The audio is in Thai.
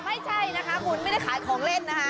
ไม่ใช่นะคะคุณไม่ได้ขายของเล่นนะคะ